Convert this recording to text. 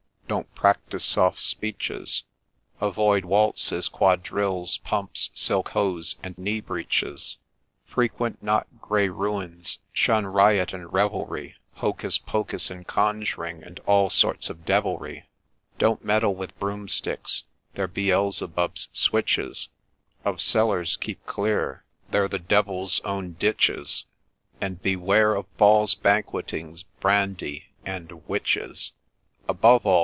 don't practise soft speeches ; Avoid waltzes, quadrilles, pumps, silk hose, and knee breeches ;— Frequent not grey Ruins, — shun riot and revelry, Hocus Pocus, and Conjuring, and all sorts of devilry ;— Don't meddle with broomsticks, — they're Beelzebub's switches ; Ol cellars keep clear, — they're the devil's own ditches ; And beware of balls, banquettings, brandy, and — witches I Above all